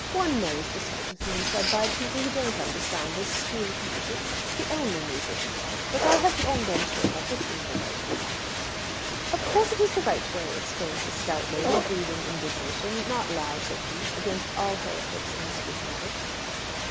One knows the sort of thing said by people who don't understand this school of music, the only music, in fact; but I have long been sure that this is the right way." "Of course, it is the right way," exclaimed the stout lady, breathing indignation, not loud but deep, against all heretics and schismatics.